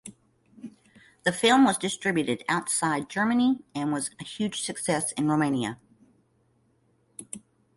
The film was distributed outside Germany and was a huge success in Romania.